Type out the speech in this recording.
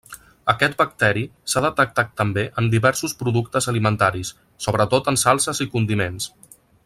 Aquest bacteri s'ha detectat també en diversos productes alimentaris, sobretot en salses i condiments.